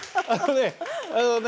あのね